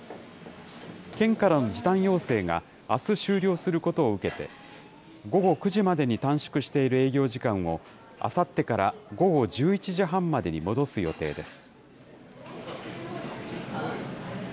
県からの時短要請があす終了することを受けて、午後９時までに短縮している営業時間を、あさってから午後１１時半までに戻す予定です。